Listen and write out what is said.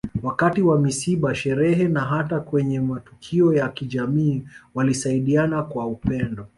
Wakati wa misiba sherehe na hata kwenye matukio ya kijamii walisaidiana kwa upendo